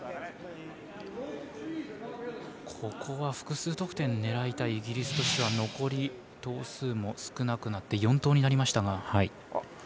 ここは複数得点狙いたいイギリスとしては残り投数少なくなって４投になりましたが。